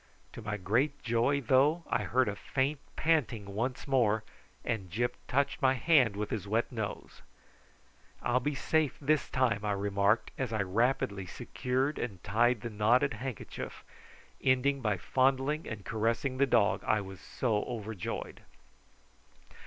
To my great joy, though, I heard a faint panting once more, and Gyp touched my hand with his wet nose. "I'll be safe this time," I remarked, as I rapidly secured and tied the knotted handkerchief, ending by fondling and caressing the dog, I was so overjoyed.